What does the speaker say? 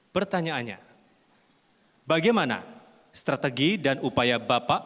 pertanyaannya bagaimana strategi dan upaya bapak